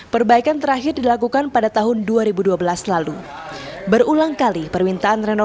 puskesmas yang ambruk adalah ruangan poli umum poligigi dan ruang pendaftaran